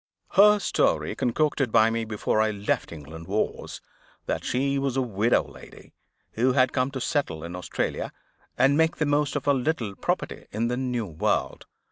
Her story (concocted by me before I left England) was, that she was a widow lady, who had come to settle in Australia, and make the most of her little property in the New World.